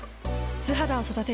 素肌を育てる。